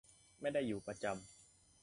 ไม่ได้อยู่ประจำ